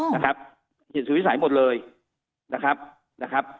นะครับเหตุสุดวิสัยหมดเลยนะครับนะครับ